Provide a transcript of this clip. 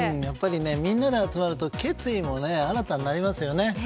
やっぱりみんなで集まると決意も新たになりますよね。